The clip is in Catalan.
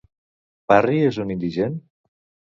Parry és un indigent?